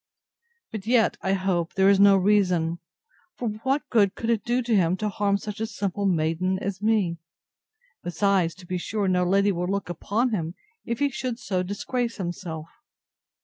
But yet, I hope, there is no reason; for what good could it do to him to harm such a simple maiden as me? Besides, to be sure no lady would look upon him, if he should so disgrace himself.